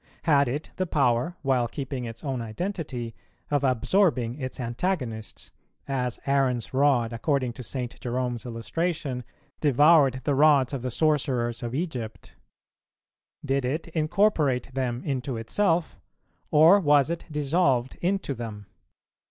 Had it the power, while keeping its own identity, of absorbing its antagonists, as Aaron's rod, according to St. Jerome's illustration, devoured the rods of the sorcerers of Egypt? Did it incorporate them into itself, or was it dissolved into them?